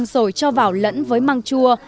rồi cho vào lẫn với măng chua